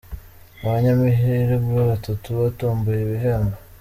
Abanyamahirwe batatu batomboye ibihembo